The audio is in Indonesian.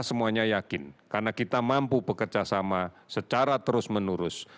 semuanya yakin karena kita mampu bekerja sama secara terus menerus